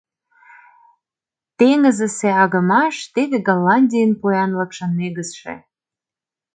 Теҥызысе агымаш — теве Голландийын поянлыкшын негызше”.